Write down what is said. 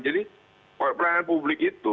jadi pelayanan publik itu